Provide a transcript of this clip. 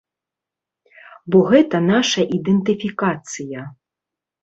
Бо гэта наша ідэнтыфікацыя.